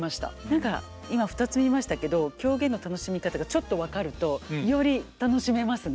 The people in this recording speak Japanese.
何か今２つ見ましたけど狂言の楽しみ方がちょっと分かるとより楽しめますね。